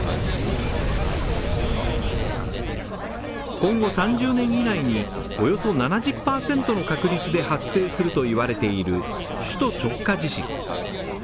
今後３０年以内におよそ７０％の確率で発生すると言われている首都直下地震。